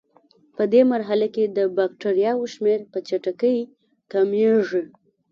پدې مرحله کې د بکټریاوو شمېر په چټکۍ کمیږي.